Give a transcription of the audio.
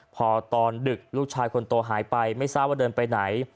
พอตอนดึกลูกชายคนโตหายไปไม่ทราบว่าเดินไปไหน